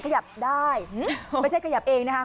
ขยับได้ไม่ใช่ขยับเองนะคะ